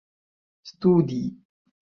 studi